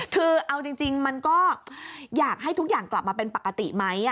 คือเอาจริงมันก็อยากให้ทุกอย่างกลับมาเป็นปกติไหม